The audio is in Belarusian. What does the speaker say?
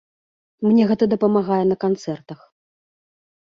Мне гэта дапамагае на канцэртах.